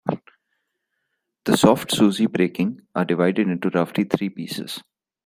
The soft susy breaking are divided into roughly three pieces.